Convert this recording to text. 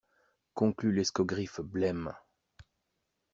Conclut l'escogriffe blême.